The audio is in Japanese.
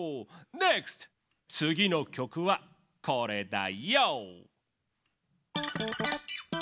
ネクストつぎのきょくはこれだヨー！